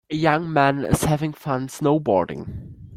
A young man is having fun snowboarding.